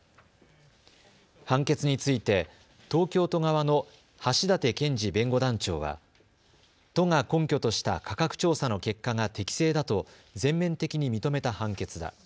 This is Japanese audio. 判決について東京都側の外立憲治弁護団長は都が根拠とした価格調査の結果が適正だと全面的に認めた判決だ。